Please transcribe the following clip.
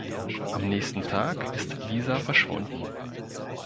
Am nächsten Tag ist Lisa verschwunden.